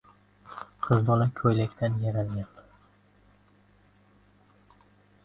• Qiz bola ko‘ylakdan yaralgan.